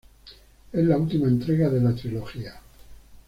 Es la última entrega de la trilogía.